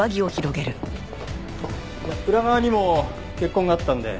裏側にも血痕があったので。